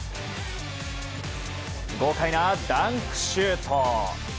豪快なダンクシュート。